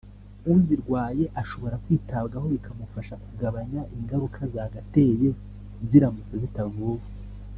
uzirwaye ashobora kwitabwaho bikamufasha kugabanya ingaruka zagateye ziramutse zitavuwe